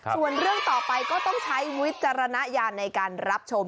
ส่วนเรื่องต่อไปก็ต้องใช้วิจารณญาณในการรับชม